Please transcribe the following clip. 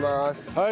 はい！